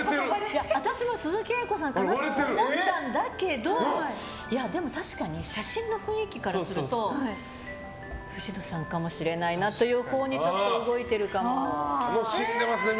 私も鈴木さんかなと思ったんだけどでも、確かに写真の雰囲気からすると藤野さんかもしれないなというほうに動いてるかも。